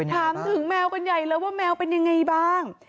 ถามถึงแมวกันใหญ่เลยว่าแมวเป็นยังไงบ้าง